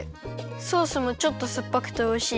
ソースもちょっとすっぱくておいしい。